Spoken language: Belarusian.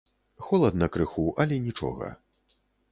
Холадна крыху, але нічога.